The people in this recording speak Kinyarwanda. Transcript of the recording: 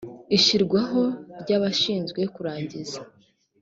ishyirwaho ry abashinzwe kurangiza